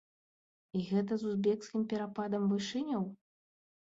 І гэта з узбекскім перападам вышыняў!